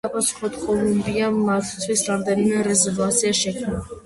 საპასუხოდ, კოლუმბიამ მათთვის რამდენიმე რეზერვაცია შექმნა.